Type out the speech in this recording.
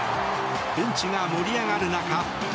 ベンチが盛り上がる中。